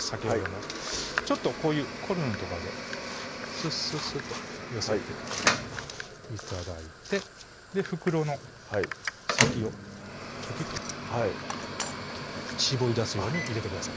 先ほどのちょっとこういうコルヌとかですっすっすっと寄せて頂いて袋の先をチョキッとはい絞り出すように入れてください